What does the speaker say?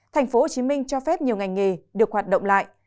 tp hcm cho phép nhiều ngành nghề được hoạt động lại